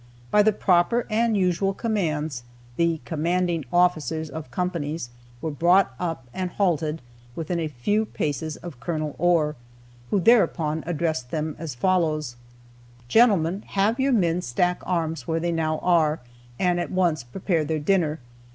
By the proper and usual commands, the "commanding officers of companies" were brought up and halted within a few paces of Col. Ohr, who thereupon addressed them as follows: "Gentleman, have your men stack arms where they now are, and at once prepare their dinner.